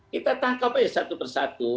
kita tangkap aja satu persatu